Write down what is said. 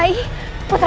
kalian ini kemana